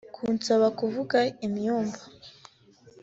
Kunsaba kuvuga Inyumba